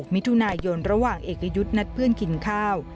มิถุนายนระหว่างเอกยุทธ์นัดเพื่อนกินข้าว